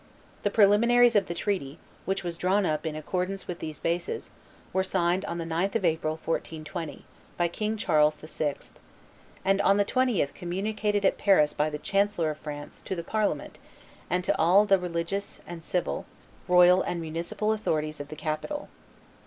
The preliminaries of the treaty, which was drawn up in accordance with these bases, were signed on the 9th of April, 1420, by King Charles VI., and on the 20th communicated at Paris by the chancellor of France to the parliament and to all the religious and civil, royal and municipal authorities of the capital.